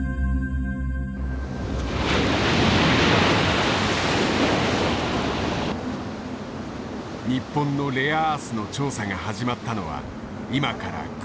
日本のレアアースの調査が始まったのは今から９年前。